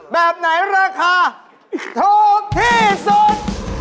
แบบไหนราคาถูกที่สุด